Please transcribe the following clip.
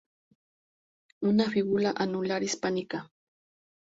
Una fíbula anular hispánica.